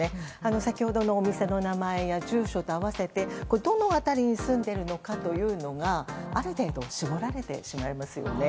先ほどの名前やお店の住所と併せてどの辺りに住んでいるのかというのがある程度絞られてしまいますよね。